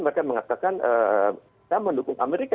mereka mengatakan kita mendukung amerika